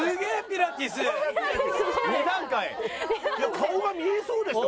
顔が見えそうでした